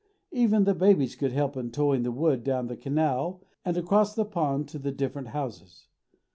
Even the babies could help in towing the wood down the canal and across the pond to the different houses.